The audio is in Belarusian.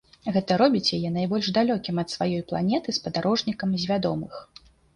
Гэта робіць яе найбольш далёкім ад сваёй планеты спадарожнікам з вядомых.